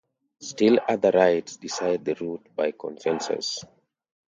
Still other rides decide the route by consensus.